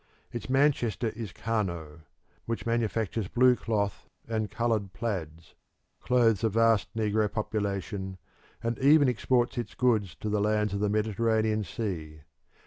Its Manchester is Kano, which manufactures blue cloth and coloured plaids, clothes a vast negro population, and even exports its goods to the lands of the Mediterranean Sea.